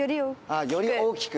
あより大きく。